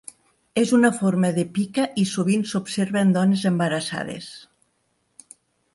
És una forma de pica i sovint s'observa en dones embarassades.